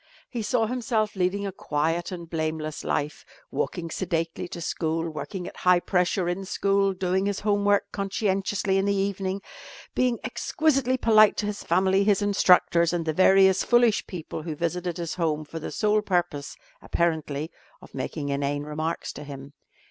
He saw himself leading a quiet and blameless life, walking sedately to school, working at high pressure in school, doing his homework conscientiously in the evening, being exquisitely polite to his family, his instructors, and the various foolish people who visited his home for the sole purpose (apparently) of making inane remarks to him.